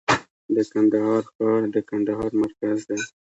د کندهار ښار د کندهار مرکز دی